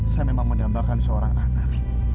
saya memang mendambakan seorang anak